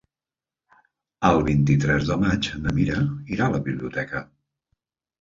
El vint-i-tres de maig na Mira irà a la biblioteca.